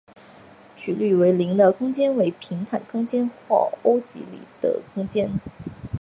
曲率为零的空间称为平坦空间或欧几里得空间。